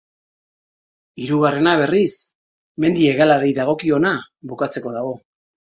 Hirugarrena, berriz, mendi hegalari dagokiona, bukatzeko dago.